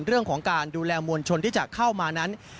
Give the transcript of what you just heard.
เรื่องของการดูแลมวลชนที่จะเข้ามานั้น